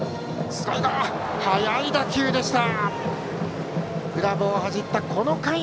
鋭い打球でした。